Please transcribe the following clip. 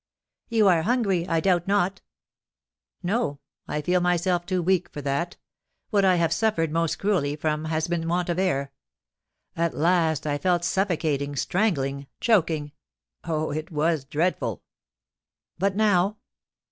"You are hungry, I doubt not?" "No; I feel myself too weak for that. What I have suffered most cruelly from has been want of air. At last I felt suffocating, strangling, choking. Oh, it was dreadful!" "But now?"